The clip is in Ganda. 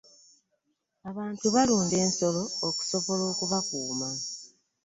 abantu balunda ensolo okusobola okubakuuma.